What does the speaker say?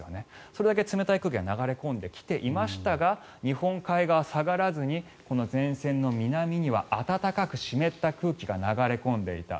それだけ冷たい空気が流れ込んできていましたが日本海側、下がらずに前線の南には暖かく湿った空気が流れ込んでいた。